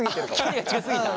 距離が近すぎた？